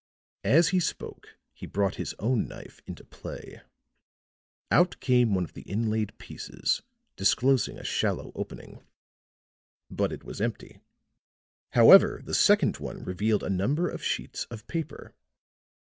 As he spoke he brought his own knife into play. Out came one of the inlaid pieces, disclosing a shallow opening. But it was empty. However, the second one revealed a number of sheets of paper.